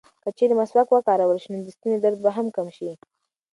که چېرې مسواک وکارول شي، نو د ستوني درد به هم کم شي.